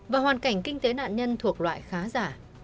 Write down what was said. và hoàn cảnh kinh tế nạn nhân thuộc loại khá giả